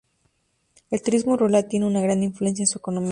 El turismo rural tiene una gran influencia en su economía.